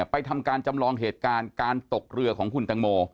ทำการจำลองเหตุการณ์การตกเรือของคุณตังโม